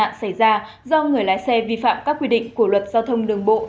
tai nạn xảy ra do người lái xe vi phạm các quy định của luật giao thông đường bộ